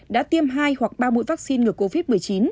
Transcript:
đã tiêm hai hoặc ba mũi vaccine ngừa covid một mươi chín